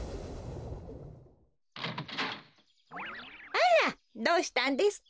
あらどうしたんですか？